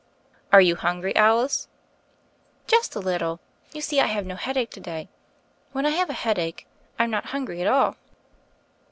"Are you hungry, Alice?" Just a little : you see I have no headache to day. When I have a headache I'm not hungry at all."